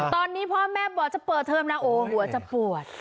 ตอนนี้พ่อแม่บอกจะเปิดเทอมนะโอ้หัวจะปวด